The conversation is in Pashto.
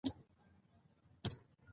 احمدشاه بابا د عدل او انصاف پلوی و.